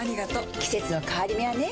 季節の変わり目はねうん。